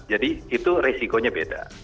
jadi itu resikonya beda